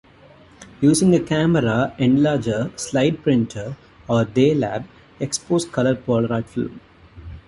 Using a camera, enlarger, slide printer or Day Lab, expose colour Polaroid film.